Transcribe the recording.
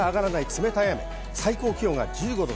最高気温は１５度。